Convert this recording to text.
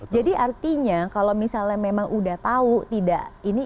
jadi artinya kalau misalnya memang udah tahu tidak ini